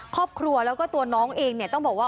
ครอบครัวแล้วก็ตัวน้องเองเนี่ยต้องบอกว่า